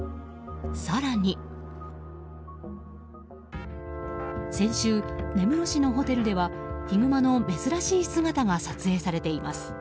更に、先週根室市のホテルではヒグマの珍しい姿が撮影されています。